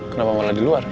kenapa malah di luar